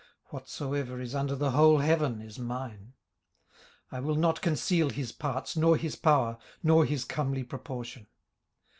whatsoever is under the whole heaven is mine. 18:041:012 I will not conceal his parts, nor his power, nor his comely proportion.